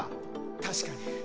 確かに。